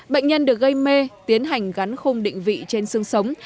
bệnh nhân được gây mê tiến hành gắn khung định vị trên xương sống